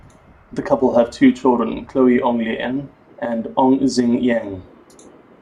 The couple have two children - Chloe Ong Li En and Ong Xing Yang.